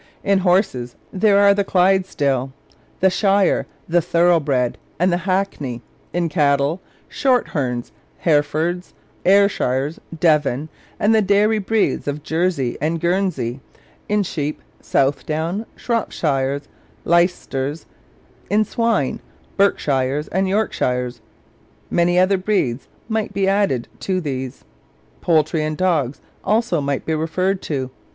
In horses, there are the Clydesdale, the Shire, the Thoroughbred, and the Hackney; in cattle, Shorthorns, Herefords, Ayrshires, Devon, and the dairy breeds of Jersey and Guernsey; in sheep, Southdowns, Shropshires, Leicesters; in swine, Berkshires and Yorkshires. Many other breeds might be added to these. Poultry and dogs also might be referred to.